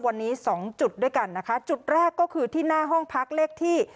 วันนี้สองจุดด้วยกันนะคะจุดแรกก็คือที่หน้าห้องพักเลขที่